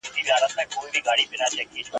کړه یې وا لکه ګره د تورو زلفو ,